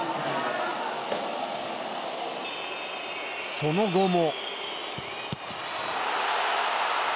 その後も。